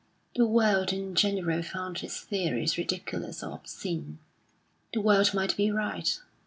The world in general found his theories ridiculous or obscene. The world might be right.